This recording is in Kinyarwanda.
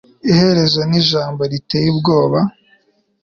Iherezo ni ijambo riteye ubwoba